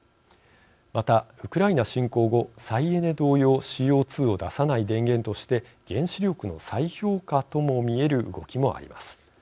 また、ウクライナ侵攻後再エネ同様ＣＯ２を出さない電源として原子力の再評価とも見える動きもあります。